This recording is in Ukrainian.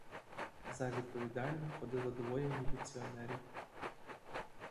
За відповідальним ходило двоє міліціонерів.